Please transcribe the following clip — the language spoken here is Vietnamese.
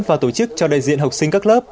và tổ chức cho đại diện học sinh các lớp